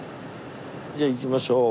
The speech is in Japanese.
じゃあ行きましょう。